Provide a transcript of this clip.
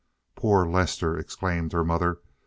"Poor Lester!" exclaimed her mother.